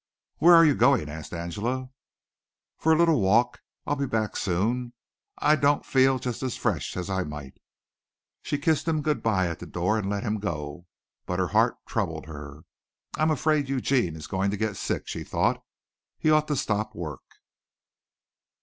"Where are you going?" asked Angela. "For a little walk. I'll be back soon. I don't feel just as fresh as I might." She kissed him good bye at the door and let him go, but her heart troubled her. "I'm afraid Eugene is going to get sick," she thought. "He ought to stop work."